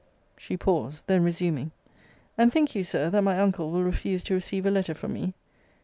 She paused then resuming and think you, Sir, that my uncle will refuse to receive a letter from me?